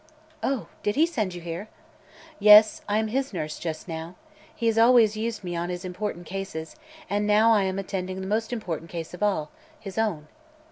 "Oh; did he send you here?" "Yes. I am his nurse, just now. He has always used me on his important cases, and now I am attending the most important case of all his own."